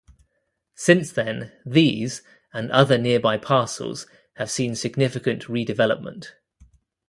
Since then, these and other nearby parcels have seen significant redevelopment.